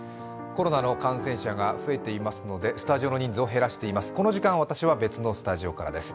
コロナの感染者が増えていますのでスタジオの人数を減らしています。